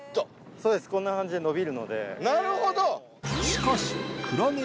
そうですこんな感じで伸びるので。